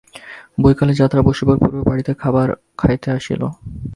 বৈকালে যাত্রা বসিবার পূর্বে বাড়িতে খাবার খাইতে আসিল।